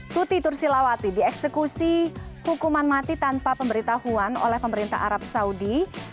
tuti tursilawati dieksekusi hukuman mati tanpa pemberitahuan oleh pemerintah arab saudi